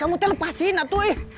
kalo tidak padahal